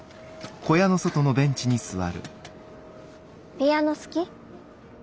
ピアノ好き？